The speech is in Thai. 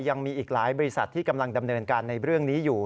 ยังมีอีกหลายบริษัทที่กำลังดำเนินการในเรื่องนี้อยู่